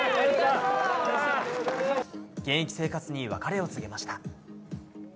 現役生活に別れを告げました。